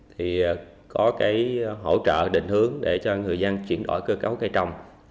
thì có cái hỗ trợ định hướng để cho người dân chuyển đổi cơ cấu cây trồng